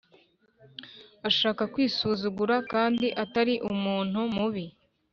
ashaka kwisuzuguza kandi Atari umuntu mubi